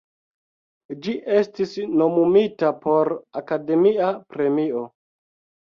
Ĝi estis nomumita por Akademia Premio.